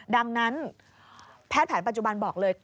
ดังนั้นแพทย์แผนปัจจุบันบอกเลย